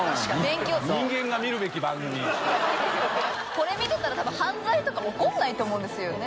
これ見てたら多分犯罪とか起こらないと思うんですよね。